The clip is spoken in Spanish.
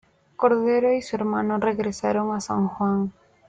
Cordero y su hermano regresaron a San Juan.